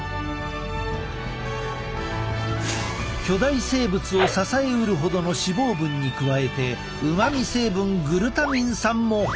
巨大生物を支えうるほどの脂肪分に加えてうまみ成分グルタミン酸も豊富。